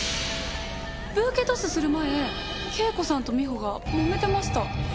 ブーケトスする前圭子さんと美穂がもめてました。